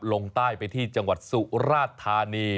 ลงใต้ไปที่จังหวัดสุราธานี